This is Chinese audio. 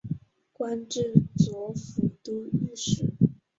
官至左副都御史。